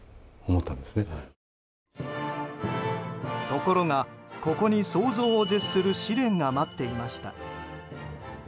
ところが、ここに想像を絶する試練が待っていました。